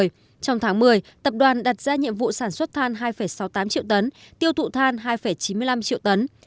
trong tháng một mươi tập đoàn đặt ra nhiệm vụ sản xuất than hai sáu mươi tám triệu tấn tiêu thụ than hai chín mươi năm triệu tấn